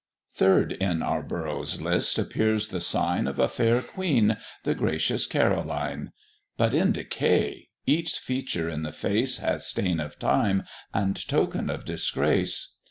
Third in our Borough's list appears the sign Of a fair queen the gracious Caroline; But in decay each feature in the face Has stain of Time, and token of disgrace.